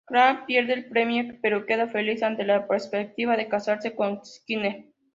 Krabappel pierde el premio, pero queda feliz ante la perspectiva de casarse con Skinner.